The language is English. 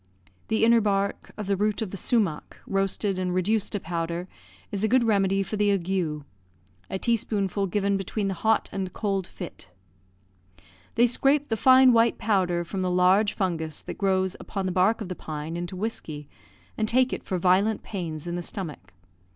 The inner bark of the root of the sumach, roasted, and reduced to powder, is a good remedy for the ague; a teaspoonful given between the hot and cold fit. They scrape the fine white powder from the large fungus that grows upon the bark of the pine into whiskey, and take it for violent pains in the stomach.